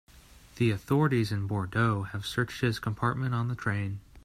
The authorities in Bordeaux have searched his compartment on the train.